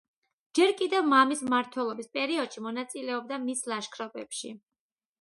ჯერ კიდევ მამის მმართველობის პერიოდში მონაწილეობდა მის ლაშქრობებში.